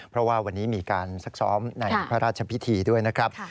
เพราะว่าวันนี้มีการซักซ้อมในพระราชพิธีด้วยนะครับ